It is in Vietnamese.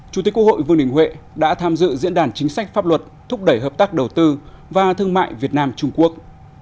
chủ tịch quốc hội vương đình huệ đã tham dự diễn đàn chính sách pháp luật thúc đẩy hợp tác đầu tư và thương mại việt nam trung quốc